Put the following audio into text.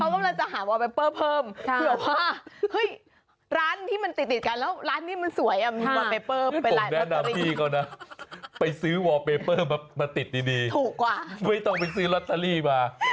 เขากำลังจะหาวอลเปเปอร์เพิ่มเผื่อว่า